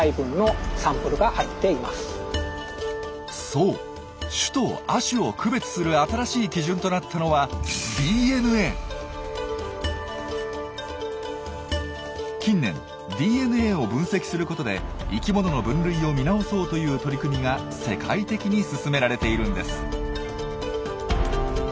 そう種と亜種を区別する新しい基準となったのは近年ＤＮＡを分析する事で生きものの分類を見直そうという取り組みが世界的に進められているんです。